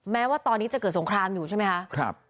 แม้ว่าตอนนี้จะเกิดสงครามอยู่ใช่ไหมคะ